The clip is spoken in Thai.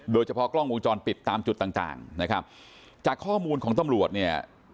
โดยเฉพาะกล้องวงจรปิดตามจุดต่างต่างนะครับจากข้อมูลของตำรวจเนี่ย